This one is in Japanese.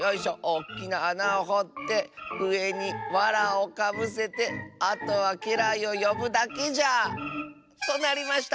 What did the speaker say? おっきなあなをほってうえにわらをかぶせてあとはけらいをよぶだけじゃ』となりました」。